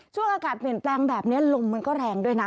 ช่วงอากาศเปลี่ยนแปลงแบบนี้ลมมันก็แรงด้วยนะ